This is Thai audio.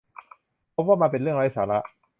พบว่ามันเป็นเรื่องไร้สาระ